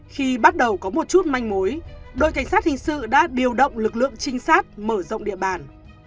khi bắt đầu có một chút manh mối đội cảnh sát hình sự đã điều động lực lượng trinh sát mở rộng địa bàn